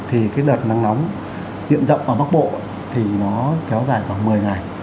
hiện rộng ở bắc bộ thì nó kéo dài khoảng một mươi ngày